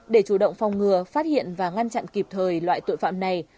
để chủ động phòng ngừa phát hiện và ngăn chặn kịp thời loại tội phạm này